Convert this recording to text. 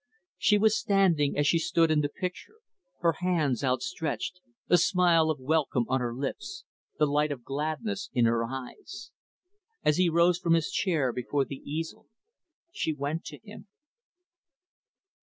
She was standing as she stood in the picture; her hands outstretched, a smile of welcome on her lips, the light of gladness in her eyes. As he rose from his chair before the easel, she went to him.